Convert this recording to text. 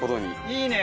いいね。